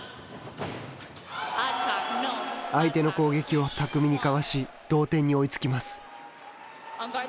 相手の攻撃を巧みにかわし同点に追いつきます。